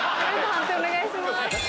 判定お願いします。